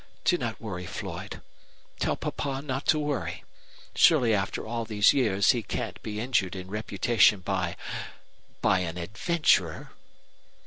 Do not worry, Floyd. Tell papa not to worry. Surely after all these years he can't be injured in reputation by by an adventurer."